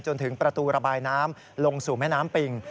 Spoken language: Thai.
จนถึงประตูระบายน้ำลงสู่แม่น้ำปิง